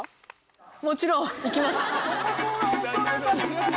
もちろん！行きます！